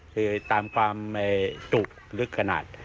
คือตามความจุลึกขนาด